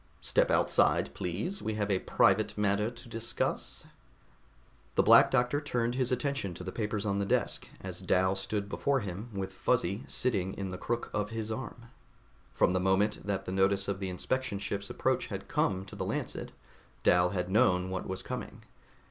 "Step outside, please. We have a private matter to discuss." The Black Doctor turned his attention to the papers on the desk as Dal stood before him with Fuzzy sitting in the crook of his arm. From the moment that the notice of the inspection ship's approach had come to the Lancet, Dal had known what was coming.